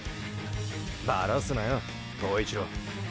バラすなよ塔一郎。